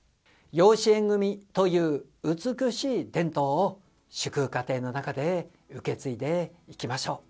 養子縁組みという美しい伝統を、祝福家庭の中で受け継いでいきましょう。